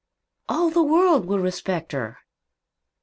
"All the world will respect her."